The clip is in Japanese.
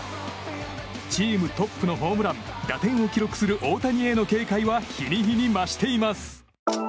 チームトップのホームラン打点を記録する大谷への警戒は日に日に増しています。